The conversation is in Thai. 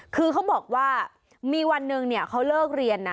คือเขาบอกว่ามีวันหนึ่งเขาเลิกเรียนนะ